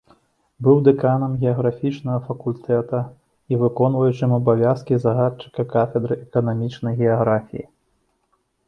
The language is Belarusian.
Быў дэканам геаграфічнага факультэта і выконваючым абавязкі загадчыка кафедры эканамічнай геаграфіі.